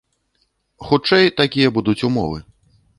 Хутчэй, такія будуць умовы.